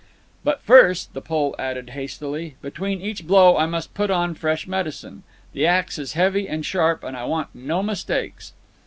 "But first," the Pole added hastily, "between each blow I must put on fresh medicine. The axe is heavy and sharp, and I want no mistakes."